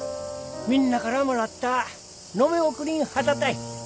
みんなからもらった野辺送りん旗たい。